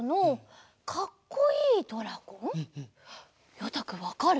ようたくんわかる？